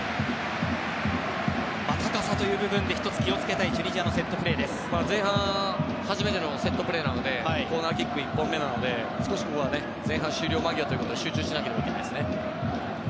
高さという部分で１つ気をつけたい前半初めてのセットプレーなのでコーナーキック１本目なのでここは前半終了間際ということで集中しないといけませんね。